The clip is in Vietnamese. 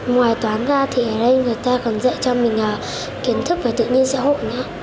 ngoài toán ra thì ở đây người ta còn dạy cho mình kiến thức về tự nhiên xã hội nữa